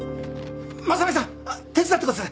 真実さん手伝ってください！